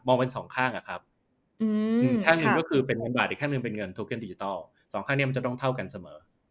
มองเป็นสองข้างแค่หนึ่งก็คือเป็นเงินบาทอีกแค่หนึ่งเป็นเงินโทเคินดิจิตอลสองข้างนี้มันจะต้องเท่ากันเสมอ